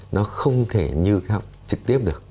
nó không thể như học trực tiếp được